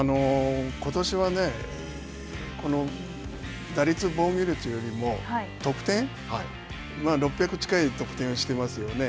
ことしはね、打率、防御率よりも、得点、６００近い得点をしてますよね。